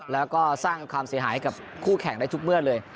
และสร้างความเสียหายของคู่แข่งในทุกเมื่อเลย